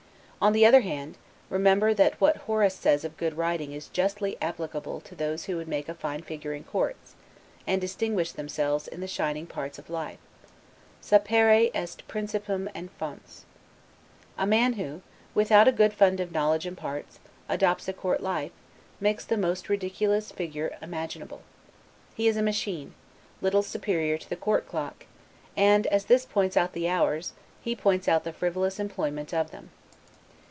On the other hand, remember, that what Horace says of good writing is justly applicable to those who would make a good figure in courts, and distinguish themselves in the shining parts of life; 'Sapere est principium et fons'. A man who, without a good fund of knowledge and parts, adopts a court life, makes the most ridiculous figure imaginable. He is a machine, little superior to the court clock; and, as this points out the hours, he points out the frivolous employment of them.